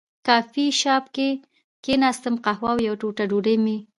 کافي شاپ کې کېناستم، قهوه او یوه ټوټه ډوډۍ مې.